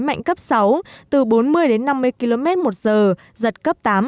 gió mạnh nhất vùng gần tâm áp thấp nhiệt đới mạnh cấp sáu từ bốn mươi đến năm mươi km một giờ giật cấp tám